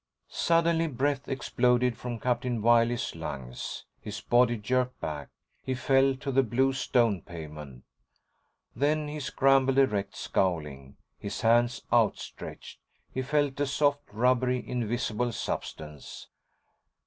Suddenly breath exploded from Captain Wiley's lungs. His body jerked back. He fell to the blue stone pavement. Then he scrambled erect, scowling, his hands outstretched. He felt a soft, rubbery, invisible substance.